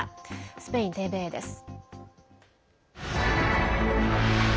スペインＴＶＥです。